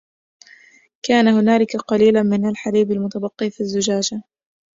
كان هناك قليل من الحليب المتبقي في الزجاجة.